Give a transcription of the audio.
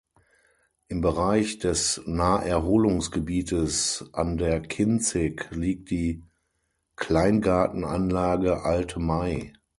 Im Bereich des Naherholungsgebietes an der Kinzig liegt die Kleingartenanlage „Alte May“.